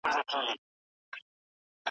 چي مي پل پکښي زده کړی چي مي ایښی پکښي ګام دی .